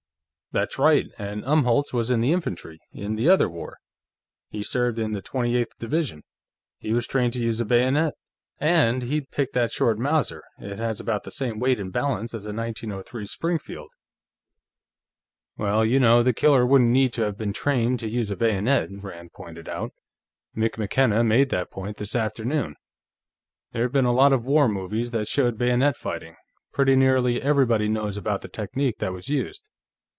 "That's right. And Umholtz was in the infantry, in the other war; he served in the Twenty eighth Division. He was trained to use a bayonet. And he'd pick that short Mauser; it has about the same weight and balance as a 1903 Springfield." "Well, you know, the killer wouldn't need to have been trained to use a bayonet," Rand pointed out. "Mick McKenna made that point, this afternoon. There have been a lot of war movies that showed bayonet fighting; pretty nearly everybody knows about the technique that was used.